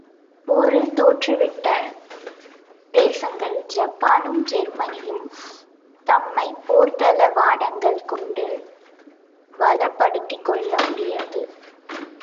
போரில் தோற்றுவிட்ட தேசங்கள் ஜப்பானும் ஜெர்மனியும் தம்மைப் போர்த்தளவாடங்கள் கொண்டு வளப்படுத்திக்கொள்ள முடியாது.